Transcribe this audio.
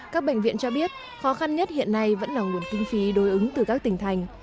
các bệnh viện cho biết khó khăn nhất hiện nay vẫn là nguồn kinh phí đối ứng từ các tỉnh thành